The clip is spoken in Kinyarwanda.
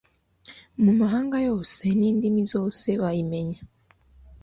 mu mahanga yose n indimi zose bayimenya